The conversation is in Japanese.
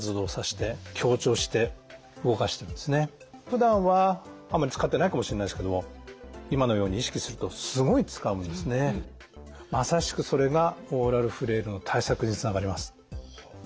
ふだんはあんまり使ってないかもしれないですけども今のようにまさしくそれがオーラルフレイルの対策につながります。